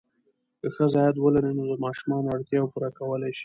که ښځه عاید ولري، نو د ماشومانو اړتیاوې پوره کولی شي.